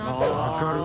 分かる！